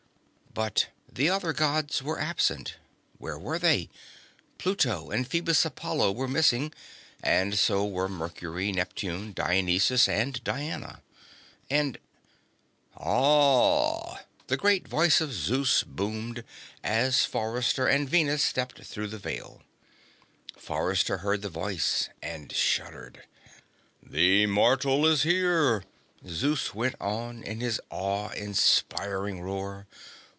But the other Gods were absent. Where were they? Pluto and Phoebus Apollo were missing, and so were Mercury, Neptune, Dionysus and Diana. And ... "Ah," the great voice of Zeus boomed, as Forrester and Venus stepped through the Veil. Forrester heard the voice and shuddered. "The mortal is here," Zeus went on in his awe inspiring roar.